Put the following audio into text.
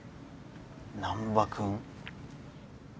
・難破君？